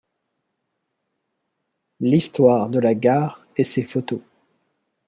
L'histoire de la gare et ses photos.